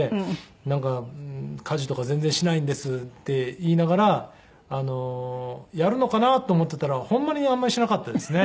なんか家事とか全然しないんですって言いながらやるのかなと思っていたらほんまにあんまりしなかったですね。